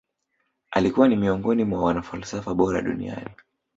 Alikuwa ni miongoni mwa wanafalsafa bora duniani